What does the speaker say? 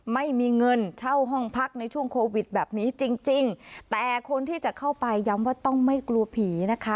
ไม่มีเงินเช่าห้องพักในช่วงโควิดแบบนี้จริงจริงแต่คนที่จะเข้าไปย้ำว่าต้องไม่กลัวผีนะคะ